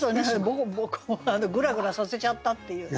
ボコボコグラグラさせちゃったっていうね。